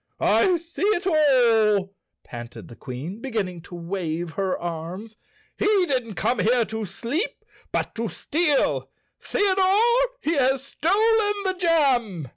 "I see it all," panted the Queen beginning to wave her arms. "He didn't come here to sleep but to steal! Theodore, he has stolen the jam!"